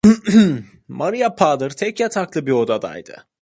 Maria Puder, tek yataklı bir odadaydı.